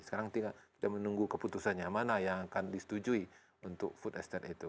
sekarang tinggal menunggu keputusannya mana yang akan disetujui untuk food estate itu